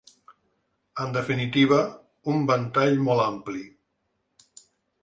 En definitiva, un ventall molt ampli.